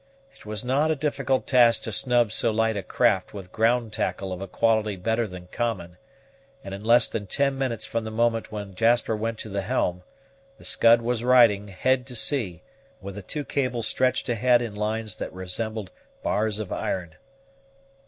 It was not a difficult task to snub so light a craft with ground tackle of a quality better than common; and in less than ten minutes from the moment when Jasper went to the helm, the Scud was riding, head to sea, with the two cables stretched ahead in lines that resembled bars of iron.